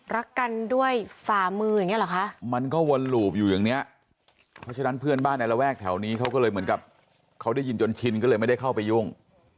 รักกันด้วยฝ่ามืออย่างเงี้เหรอคะมันก็วนหลูบอยู่อย่างเนี้ยเพราะฉะนั้นเพื่อนบ้านในระแวกแถวนี้เขาก็เลยเหมือนกับเขาได้ยินจนชินก็เลยไม่ได้เข้าไปยุ่ง